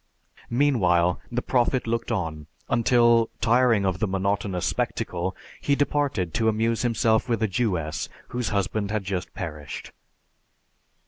Meanwhile, the Prophet looked on until, tiring of the monotonous spectacle, he departed to amuse himself with a Jewess whose husband had just perished.